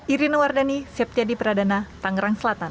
irina wardani septyadi pradana tangerang selatan